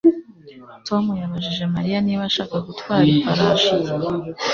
Tom yabajije Mariya niba ashaka gutwara ifarashi ye